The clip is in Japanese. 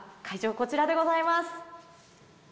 こちらでございます。